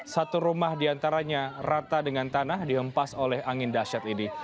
satu rumah diantaranya rata dengan tanah dihempas oleh angin dasyat ini